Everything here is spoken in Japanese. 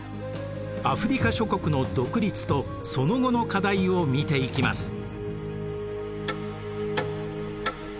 アフリカ諸国の独立とその後の課題を見ていきます。